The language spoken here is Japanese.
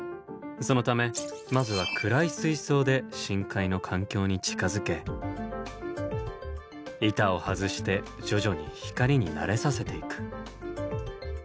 そのためまずは暗い水槽で深海の環境に近づけ板を外して徐々に光に慣れさせていく。